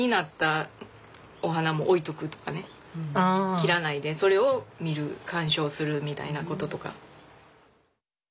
切らないでそれを見る観賞するみたいなこととか。